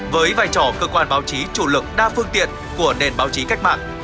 với vai trò cơ quan báo chí chủ lực đa phương tiện của nền báo chí cách mạng